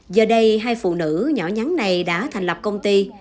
giờ đây hai phụ nữ nhỏ nhắn này đã thành lập công ty